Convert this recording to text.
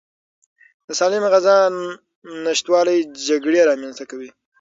د سالمې غذا نشتوالی جګړې رامنځته کوي.